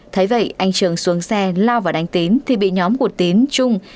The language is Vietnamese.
thấy vậy anh trường xuống xe lao vào đánh tín thì bị nhóm của tín trung